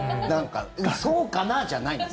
そうかな？じゃないんです。